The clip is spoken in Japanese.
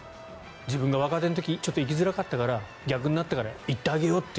自分が若手の時に行きづらかったから逆になったから行ってあげようと。